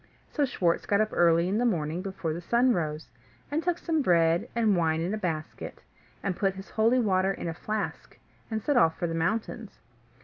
So Schwartz got up early in the morning before the sun rose, and took some bread and wine in a basket, and put his holy water in a flask, and set off for the mountains.